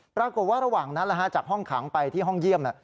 ปรากฏว่าระหว่างนั้นจากห้องขังไปที่ห้องเยี่ยม